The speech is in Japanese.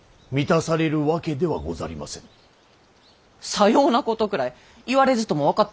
さようなことくらい言われずとも分かっておる。